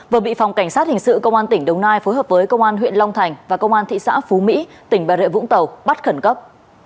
vừa bị phòng cảnh sát hình sự công an tỉnh đồng nai phối hợp với công an huyện long thành và công an thị xã phú mỹ tỉnh bà rịa vũng tàu bắt khẩn cấp